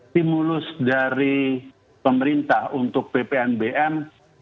stimulus dari pemerintah untuk ppnbm